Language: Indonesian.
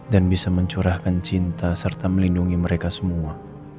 dan bisa mencurahkan cinta serta melindungi mereka semua